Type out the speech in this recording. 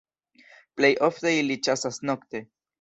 Plej ofte ili ĉasas nokte.